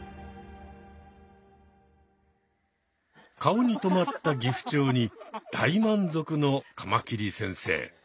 顔に止まったギフチョウに大満足のカマキリ先生。